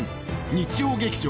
日曜劇場